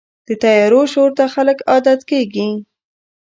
د طیارو شور ته خلک عادت کېږي.